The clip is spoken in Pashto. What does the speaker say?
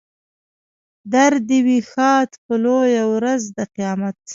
در دې وي ښاد په لویه ورځ د قیامت.